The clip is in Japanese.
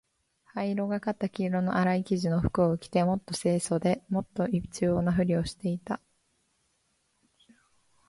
灰色がかった黄色のあらい生地の服を着て、もっと清潔で、もっと一様な身なりをしていた。上衣はだぶだぶで、ズボンはぴったりしている。